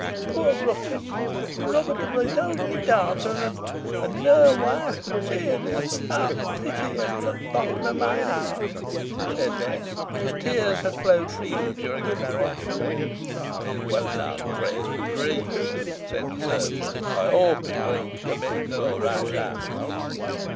"Poor Ruchot! Robb'd o' his ownly dowter an neaw woife to cheer him! Ey pity him fro' t' bottom o' my heart," said Bess, whose tears had flowed freely during the narration. "He is wellnigh crazed with grief," said the chirurgeon. "I hope he will commit no rash act."